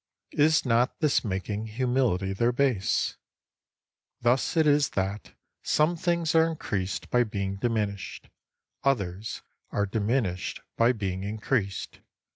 Is not this making humility their base ? Thus it is that " Some things are increased by being diminished, others are diminished by being increased."